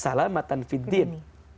salamatan fi d din